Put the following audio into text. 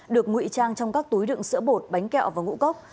được ngụy trang trong các túi đựng sữa bột bánh kẹo và ngũ cốc